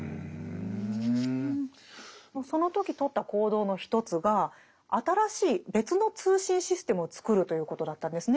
その時とった行動の一つが新しい別の通信システムを作るということだったんですね。